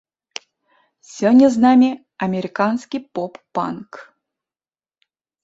Сёння з намі амерыканскі поп-панк.